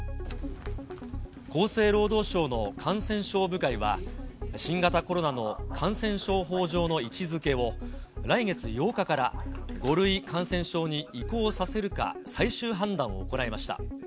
厚生労働省の感染症部会は、新型コロナの感染症法上の位置づけを、来月８日から５類感染症に移行させるか最終判断を行いました。